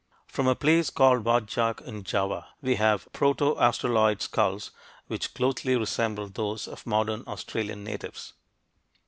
From a place called Wadjak, in Java, we have "proto Australoid" skulls which closely resemble those of modern Australian natives.